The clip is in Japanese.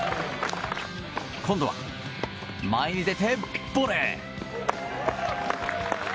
今度は前に出てボレー！